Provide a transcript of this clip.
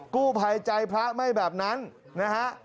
กู้ภัยใจพระไม่แบบนั้นนะฮะ